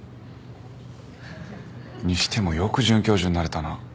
にしてもよく准教授になれたな。